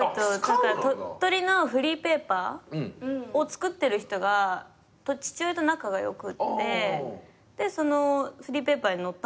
鳥取のフリーペーパーをつくってる人が父親と仲が良くってそのフリーペーパーに載ったの。